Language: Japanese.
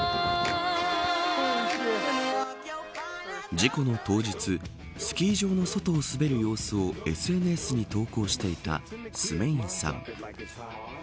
事故の当日スキー場の外を滑る様子をＳＮＳに投稿していたスメインさん。